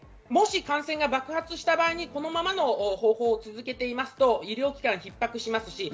感染が爆発した場合にこのままの方法を続けると医療機関は逼迫します。